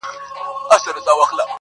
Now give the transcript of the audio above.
ستا پر تور تندي لیکلي کرښي وايي-